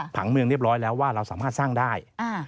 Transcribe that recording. ผังเมืองเรียบร้อยแล้วว่าเราสามารถสร้างได้